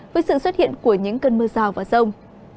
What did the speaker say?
với sự xuất hiện của những cơn mưa rào và rông